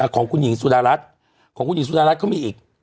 ของคุณหญิงสุดารัฐของคุณหญิงสุดารัฐเขามีอีก